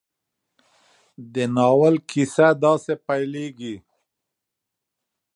د ناول کیسه داسې پيلېږي.